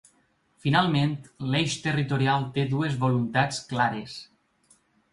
Finalment, l’eix territorial té dues voluntats clares.